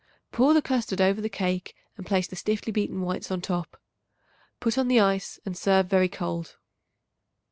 Pour the custard over the cake and place the stiffly beaten whites on top. Put on the ice and serve very cold.